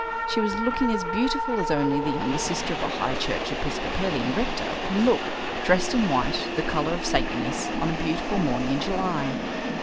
She was looking as beautiful as only the younger sister of a High Church episcopalian rector can look, dressed in white, the colour of saintliness, on a beautiful morning in July.